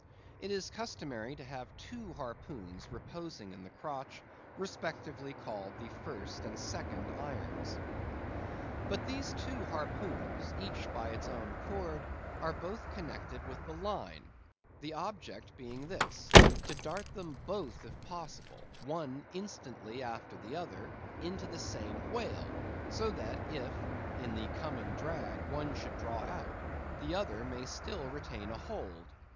It is customary to have two harpoons reposing in the crotch, respectively called the first and second irons. But these two harpoons, each by its own cord, are both connected with the line; the object being this: to dart them both, if possible, one instantly after the other into the same whale; so that if, in the coming drag, one should draw out, the other may still retain a hold.